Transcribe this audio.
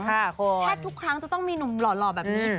แทบทุกครั้งจะต้องมีหนุ่มหล่อแบบนี้